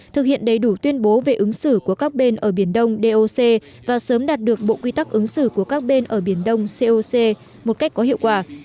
thực hiện đầy đủ tuyên bố về ứng xử của các bên ở biển đông doc và sớm đạt được bộ quy tắc ứng xử của các bên ở biển đông coc một cách có hiệu quả